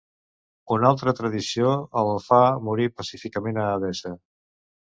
Una altra tradició el fa morir pacíficament a Edessa.